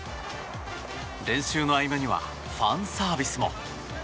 練習の合間にはファンサービスも。